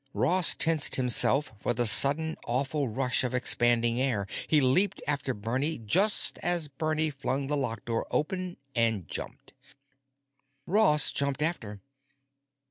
Ross tensed himself for the sudden, awful rush of expanding air; he leaped after Bernie just as Bernie flung the lock door open and jumped. Ross jumped after.